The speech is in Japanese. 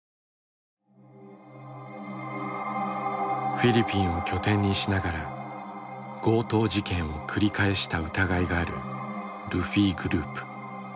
フィリピンを拠点にしながら強盗事件を繰り返した疑いがあるルフィグループ。